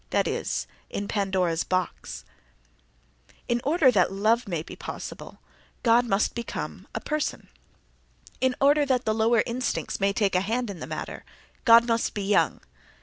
—In order that love may be possible, God must become a person; in order that the lower instincts may take a hand in the matter God must be young.